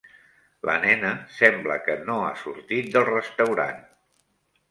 La nena sembla que no ha sortit del restaurant.